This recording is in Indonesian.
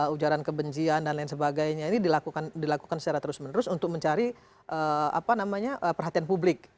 ujaran kebencian dan lain sebagainya ini dilakukan secara terus menerus untuk mencari perhatian publik